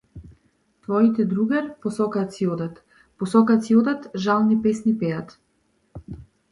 Твоите другар, по сокаци одат, по сокаци одат, жални песни пеат.